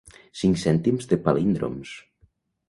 «Cinc cèntims de palíndroms».